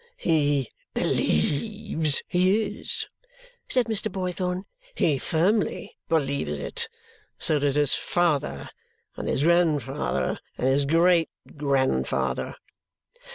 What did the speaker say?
"He believes he is!" said Mr. Boythorn. "He firmly believes it. So did his father, and his grandfather, and his great grandfather!"